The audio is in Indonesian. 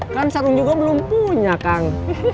kan sarung juga belum punya kang